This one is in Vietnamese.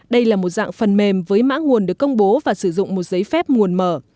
đây là một dạng phần mềm với mã nguồn được công bố và sử dụng một giấy phép nguồn mở